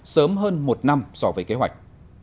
sớm hơn một năm so với kế hoạch